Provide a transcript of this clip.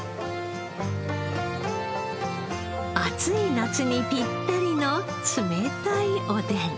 暑い夏にピッタリの冷たいおでん。